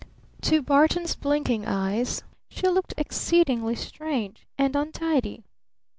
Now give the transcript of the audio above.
To Barton's blinking eyes she looked exceedingly strange and untidy.